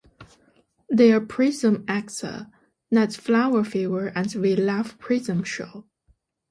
Their Prism acts are "Night Flower Fever" and "We Love Prism Show".